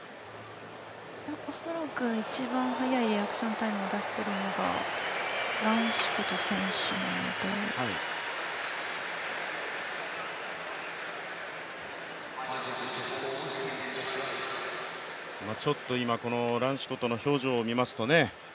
恐らく一番早いリアクションタイムを出しているのがランシコト選手なので今、このランシコトの表情を見ますとね。